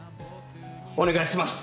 お願いします。